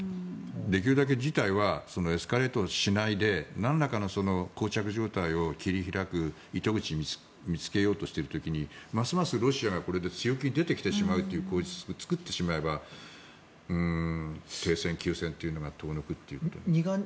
できるだけ事態はエスカレートしないでなんらかのこう着状態を切り開く糸口を見つけようとしている時にますますこれでロシアがこれで強気に出てしまうという口実を作ってしまえば停戦、休戦が遠のくということに。